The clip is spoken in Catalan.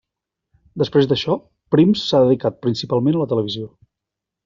Després d'això, Prims s'ha dedicat principalment a la televisió.